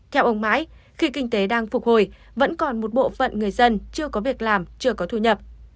theo ông mãi khi kinh tế đang phục hồi vẫn còn một bộ phận người dân chưa có việc làm chưa có thu nhập